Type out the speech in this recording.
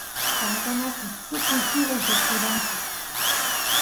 tantanakus tukus chivas lloqseranku